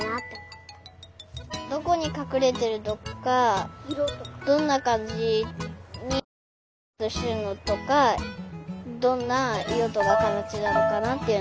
どこにかくれてるとかどんなかんじにせいかつしてるのとかどんないろとかかたちなのかなっていうのがよくわかりました。